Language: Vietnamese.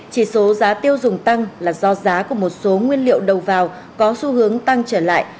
chỉ số giá tiêu dùng tăng là do giá của một số nguyên liệu đầu vào có xu hướng tăng trở lại